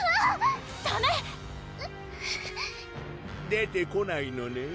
出てこないのねん？